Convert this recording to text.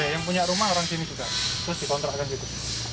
yang punya rumah orang sini juga terus dipontrakkan gitu